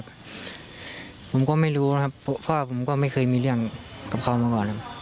ผมก็ไม่รู้นะครับพ่อผมก็ไม่เคยมีเรื่องกับเขามาก่อนแล้ว